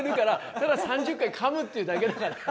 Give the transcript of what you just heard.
ただ３０回かむっていうだけだから。